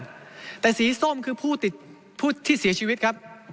ใช่ไหมครับท่านประธานแต่สีส้มคือผู้ติดผู้ที่เสียชีวิตครับ